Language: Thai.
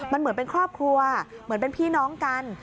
มันเหมือนเป็นครอบครัวเหมือนเป็นพี่น้องกัน